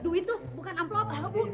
duit tuh bukan amplop